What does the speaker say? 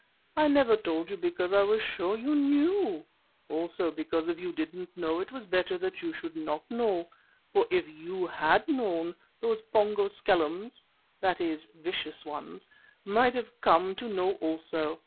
I never told you because I was sure you knew; also because if you didn't know it was better that you should not know, for if you had known, those Pongo skellums (that is, vicious ones) might have come to know also.